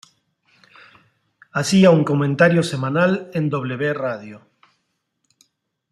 Hacía un comentario semanal en W Radio.